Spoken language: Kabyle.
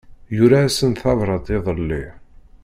Yura-asen tabrat iḍelli.